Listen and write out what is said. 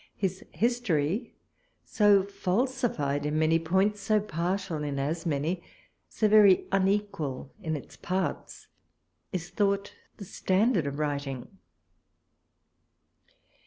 His History, so falsified in many points, so partial in as many, so very unequal in its parts, is thought the standard of writing.